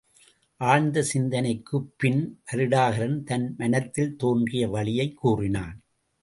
ஆழ்ந்த சிந்தனைக்குப்பின் வருடகாரன் தன் மனத்தில் தோன்றிய வழியைக் கூறினான்.